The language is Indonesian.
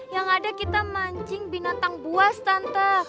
yang ada kita mancing binatang buas tante